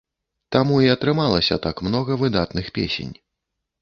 Таму і атрымалася так многа выдатных песень.